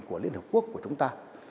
của liên hợp quốc của chúng ta